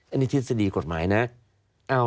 อันนี้ทฤษฎีกฎหมายนะ